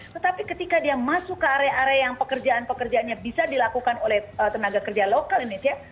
tetapi ketika dia masuk ke area area yang pekerjaan pekerjaannya bisa dilakukan oleh tenaga kerja lokal indonesia